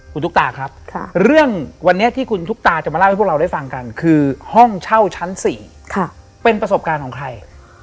คุณตุ๊กตาครับเรื่องวันนี้ที่คุณตุ๊กตาจะมาเล่าให้พวกเราได้ฟังกันคือห้องเช่าชั้น๔เป็นประสบการณ์ของใคร